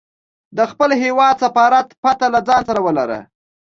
د خپل هیواد سفارت پته له ځانه سره ولره.